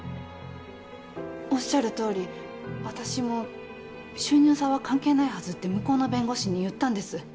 おっしゃるとおり私も収入差は関係ないはずって向こうの弁護士に言ったんです。